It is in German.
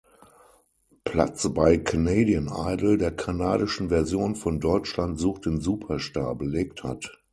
Platz bei Canadian Idol, der kanadischen Version von Deutschland sucht den Superstar, belegt hat.